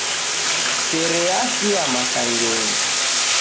Sere yasia masangenyi.